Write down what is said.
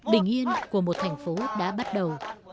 bình yên của một thành phố đã bắt đầu